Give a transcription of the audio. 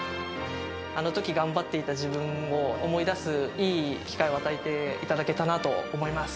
あのとき頑張っていた自分を思い出すいい機会を与えていただけたなと思います。